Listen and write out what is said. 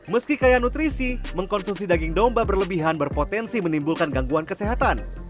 meski kaya nutrisi mengkonsumsi daging domba berlebihan berpotensi menimbulkan gangguan kesehatan